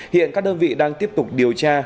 hiện các đơn vị đang tiếp tục điều tra